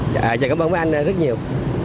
dạ chào cảm ơn mấy anh rất nhiều